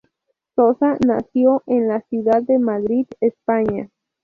Sosa nació en la ciudad de Madrid, España.